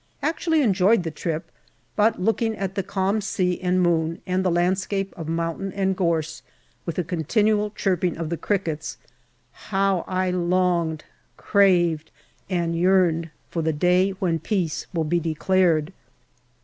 Actually enjoyed the trip, but looking at the calm sea and moon, and the landscape of mountain and gorse, with the continual chirping of the crickets, how I longed, craved, and yearned for the day when Peace will be declared.